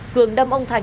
cường đâm ông thành